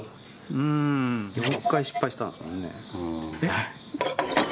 うん４回失敗したんですもんね。